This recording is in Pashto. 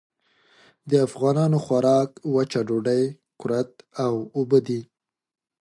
د افغانانو خوراک وچه ډوډۍ، کُرت او اوبه دي.